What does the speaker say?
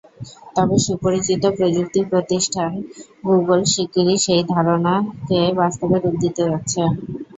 তবে সুপরিচিত প্রযুক্তি প্রতিষ্ঠান গুগল শিগগিরই সেই ধারণাকে বাস্তবে রূপ দিতে যাচ্ছে।